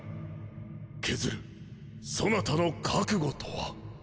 ケズルそなたの覚悟とは？